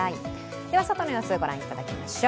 では、外の様子、ご覧いただきましょう。